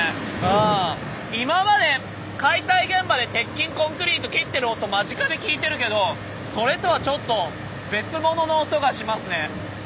今まで解体現場で鉄筋コンクリート切ってる音間近で聞いてるけどそれとはちょっと別物の音がしますね。